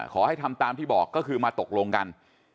ขอให้ทำตามที่บอกก็คือมาตกลงกัน